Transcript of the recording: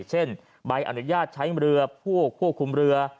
เช่นใบอนุญาตใช้เรือผู้ควบคุมเรือ